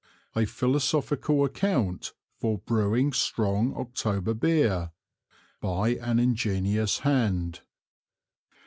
A Philosophical Account for Brewing strong October Beer. By an Ingenious Hand.